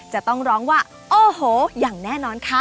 จะต้องร้องว่าโอ้โหอย่างแน่นอนค่ะ